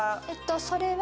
それは。